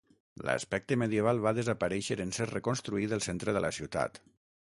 L'aspecte medieval va desaparèixer en ser reconstruït el centre de la ciutat.